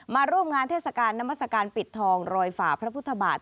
มาร่วมงานเทศกาลน้ำมัศกาลปิดทองรอยฝ่าพระพุทธบาท